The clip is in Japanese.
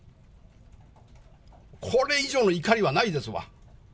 これ以上の怒りはないですわ。